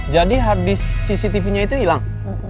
jadi harddisk cctv nya itu hilang